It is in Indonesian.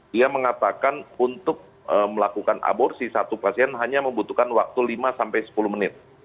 dia mengatakan untuk melakukan aborsi satu pasien hanya membutuhkan waktu lima sampai sepuluh menit